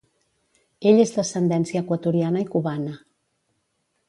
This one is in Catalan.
Ell és d'ascendència equatoriana i cubana.